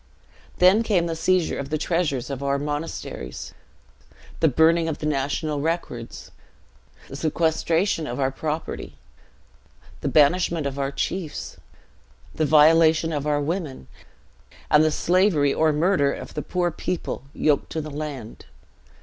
Then came the seizure of the treasures of our monasteries, the burning of the national records, the sequestration of our property, the banishment of our chiefs, the violation of our women, and the slavery or murder of the poor people yoked to the land.